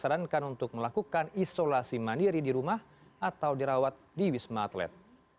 sarankan untuk melakukan isolasi mandiri di rumah atau dirawat di wisma atlet